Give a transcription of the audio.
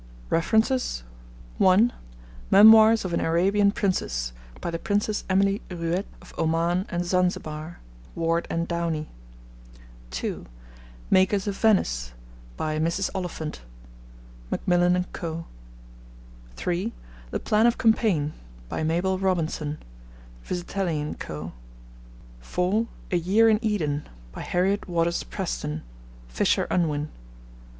(1) Memoirs of an Arabian Princess. By the Princess Emily Ruete of Oman and Zanzibar. (Ward and Downey.) (2) Makers of Venice. By Mrs. Oliphant. (Macmillan and Co.) (3) The Plan of Campaign. By Mabel Robinson. (Vizetelly and Co.) (4) A Year in Eden. By Harriet Waters Preston. (Fisher Unwin.)